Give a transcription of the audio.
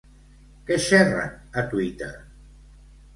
Què xerren a Twitter?